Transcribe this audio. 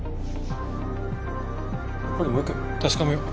やっぱりもう一回確かめよう。